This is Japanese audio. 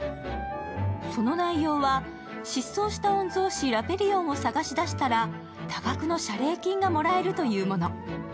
その内容は失踪した御曹司・ラペリオンを探し出したら多額の謝礼金がもらえるというもの。